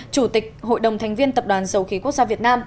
chủ tịch hội đồng thành viên tập đoàn dầu khí quốc gia việt nam